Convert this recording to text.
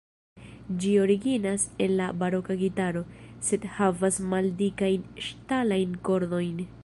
Ĝi originas el la baroka gitaro, sed havas maldikajn ŝtalajn kordojn.